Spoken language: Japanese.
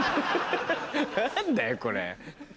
何だよこれ。